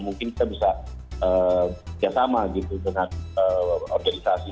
mungkin kita bisa kerjasama gitu dengan organisasi